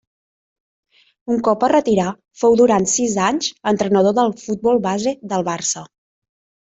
Un cop es retirà fou durant sis anys entrenador del futbol base del Barça.